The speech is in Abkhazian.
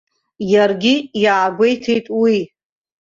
Иаргьы иаагәеиҭеит уи.